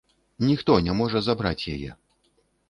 Ніхто не можа забраць яе.